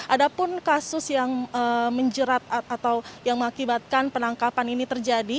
ada pun kasus yang menjerat atau yang mengakibatkan penangkapan ini terjadi